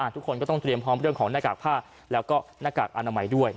ทุกคนก็ต้องเตรียมพร้อมเรื่องของหน้ากากผ้าแล้วก็หน้ากากอนามัยด้วย